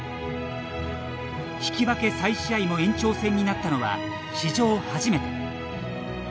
引き分け再試合も延長戦になったのは史上初めて。